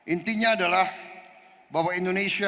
intinya adalah bahwa indonesia